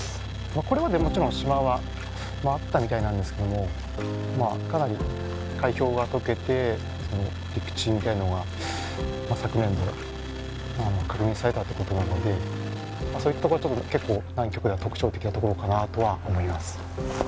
これまでもちろん島はあったみたいなんですけどもまあかなり海氷が解けて陸地みたいのが昨年確認されたってことなのでそういったとこ結構南極では特徴的なところかなとは思います。